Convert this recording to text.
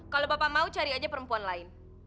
kalau bapak mau cari aja perempuan lain